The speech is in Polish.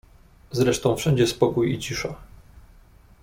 "Zresztą wszędzie spokój i cisza."